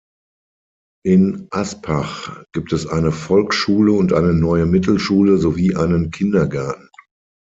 In Aspach gibt es eine Volksschule und eine Neue Mittelschule, sowie einen Kindergarten.